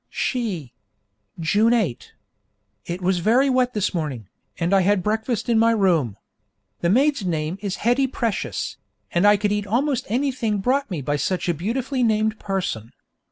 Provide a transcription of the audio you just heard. _ She June 8. It was very wet this morning, and I had breakfast in my room. The maid's name is Hetty Precious, and I could eat almost anything brought me by such a beautifully named person.